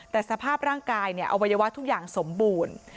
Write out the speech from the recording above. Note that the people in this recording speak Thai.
แต่สภาพร่างกายอวัยวะทุกอย่างสมบูรณ์